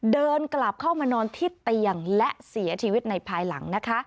เดินกลับเข้ามานอนที่เตียงและเสียชีวิตในภายหลังนะคะ